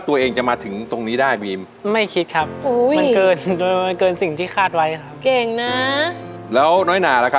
อาม่าสูตรก็ลุกเต้นเลยนะคะ